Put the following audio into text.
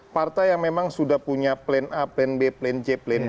partai yang memang sudah punya plan a plan b plan c plan b